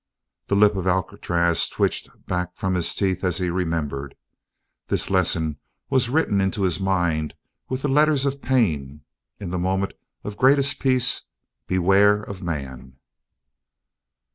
The lip of Alcatraz twitched back from his teeth as he remembered. This lesson was written into his mind with the letters of pain: in the moment of greatest peace, beware of man!